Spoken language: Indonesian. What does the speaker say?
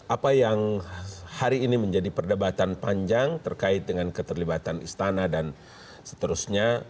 apa yang hari ini menjadi perdebatan panjang terkait dengan keterlibatan istana dan seterusnya